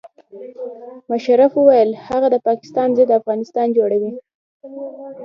مشرف وویل هند د پاکستان ضد افغانستان جوړوي.